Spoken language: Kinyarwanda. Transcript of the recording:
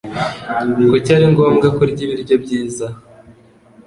Kuki ari ngombwa kurya ibiryo byiza?